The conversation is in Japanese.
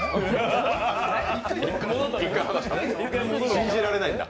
信じられないんだ。